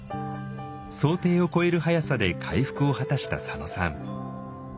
想定を超える速さで回復を果たした佐野さん。